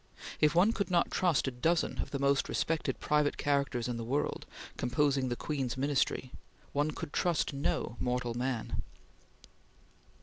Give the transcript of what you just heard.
If one could not trust a dozen of the most respected private characters in the world, composing the Queen's Ministry, one could trust no mortal man.